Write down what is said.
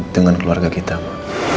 dengan keluarga kita ma